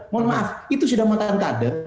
mohon maaf itu sudah mantan kader